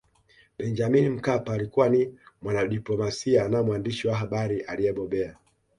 benjamin mkapa alikuwa ni mwanadiplomasia na mwandishi wa habari aliyebobea